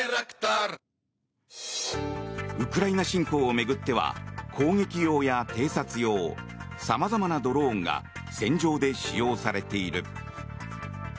ウクライナ侵攻を巡っては攻撃用や偵察用さまざまなドローンが戦場で使用されている。